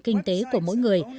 kinh tế của mỗi người